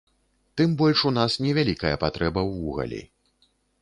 Тым больш у нас невялікая патрэба ў вугалі.